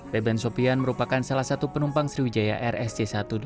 beben sofian merupakan salah satu penumpang sriwijaya air sj satu ratus delapan puluh dua